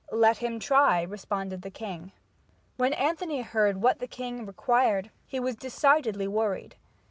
"Let him try," responded the king. When Anthony heard what the king required he was decidedly worried.